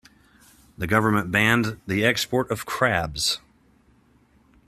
The government banned the export of crabs.